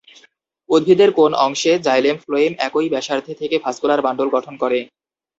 উদ্ভিদের কোন অংশে জাইলেন-ফ্লোয়েম একই ব্যাসার্ধে থেকে ভাস্কুলার বান্ডল গঠন করে?